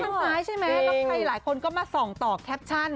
ข้างซ้ายใช่ไหมแล้วใครหลายคนก็มาส่องต่อแคปชั่น